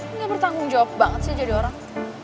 nggak bertanggung jawab banget sih jadi orang